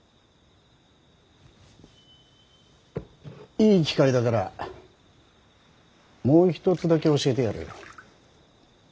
いい機会だからもう一つだけ教えてやる。